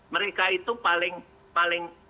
mereka itu paling